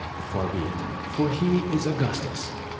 Far be it, for he is Augustus.